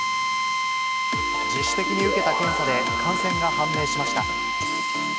自主的に受けた検査で、感染が判明しました。